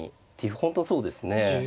本当そうですね。